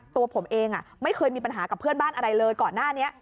ตัวผมเองไม่เคยมีปัญหากับเพื่อนบ้านอะไรเลยก่อนหน้านี้